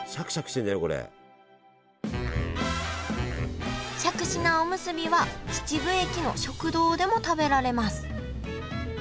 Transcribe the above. しゃくし菜おむすびは秩父駅の食堂でも食べられます